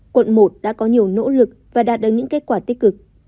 quận một đã có nhiều nỗ lực và đạt được những kết quả tích cực